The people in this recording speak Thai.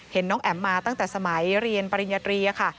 น้องแอ๋มมาตั้งแต่สมัยเรียนปริญญาตรีค่ะ